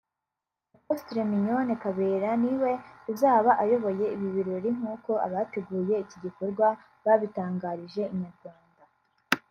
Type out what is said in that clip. Apostle Mignonne Kabera ni we uzaba uyoboye ibi birori nk'uko abateguye iki gikorwa babitangarije Inyarwanda